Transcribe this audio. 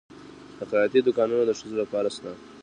د خیاطۍ دوکانونه د ښځو لپاره شته؟